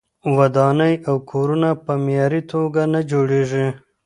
ودانۍ او کورونه په معیاري توګه نه جوړیږي.